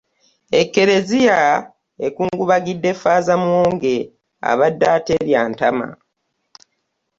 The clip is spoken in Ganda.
Ekereziya ekungubagidde Faaza muwonge abadde aterya ntama.